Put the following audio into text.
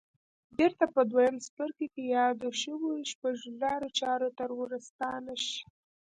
بېرته په دويم څپرکي کې يادو شويو شپږو لارو چارو ته ورستانه شئ.